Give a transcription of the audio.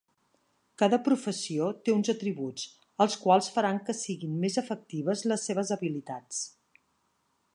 Cada professió té uns atributs, els quals faran que siguin més efectives les seves habilitats.